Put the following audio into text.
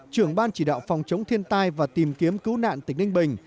trưởng ban chỉ đạo phòng chống thiên tai và tìm kiếm cứu nạn tỉnh ninh bình